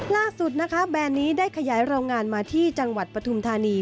ล่าสุดนะคะแบรนด์นี้ได้ขยายโรงงานมาที่จังหวัดปฐุมธานี